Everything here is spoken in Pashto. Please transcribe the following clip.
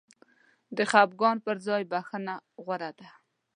د خفګان پر ځای بخښنه غوره ده.